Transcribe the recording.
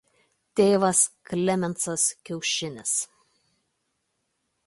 Tėvas Klemensas Kaušinis.